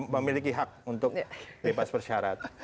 memiliki hak untuk bebas persyarat